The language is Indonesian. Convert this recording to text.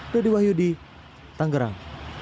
dedy wahyudi tangerang